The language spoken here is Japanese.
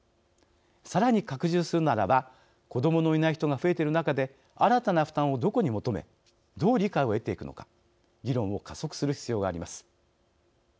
さらに拡充するならば子どものいない人が増えている中で、新たな負担をどこに求め、どう理解を得ていくのか議論を加速する必要があります。